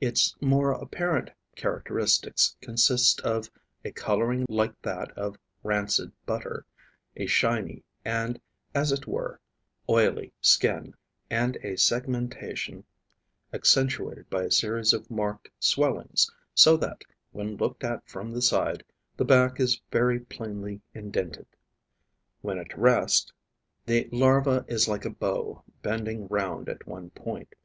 Its more apparent characteristics consist of a colouring like that of rancid butter, a shiny and as it were oily skin and a segmentation accentuated by a series of marked swellings, so that, when looked at from the side, the back is very plainly indented. When at rest, the larva is like a bow bending round at one point.